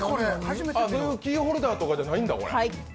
キーホルダーとかじゃないんだ？